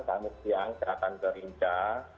kami siang ke rakan kerinta